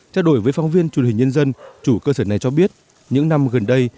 trao đổi với phóng viên chủ đề nhân dân chủ cơ sở này cho biết những năm gần đây